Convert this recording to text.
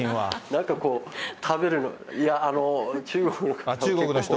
なんかもう、食べる、いや、中国の人。